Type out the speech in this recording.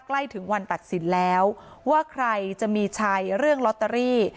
ใกล้ถึงวันตัดสินแล้วว่าใครจะมีชัยเรื่องลอตเตอรี่